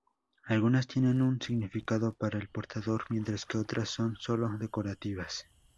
Algunas tienen un significado para el portador, mientras que otras son solo decorativas.